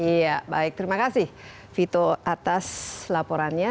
iya baik terima kasih vito atas laporannya